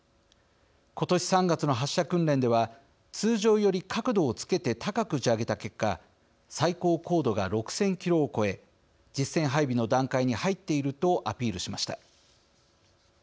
今年３月の発射訓練では通常より角度をつけて高く打ち上げた結果最高高度が６０００キロを超え実戦配備の段階に入っているとアピールしました。